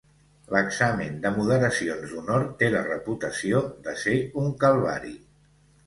L'examen de moderacions d'honor té la reputació de ser un calvari.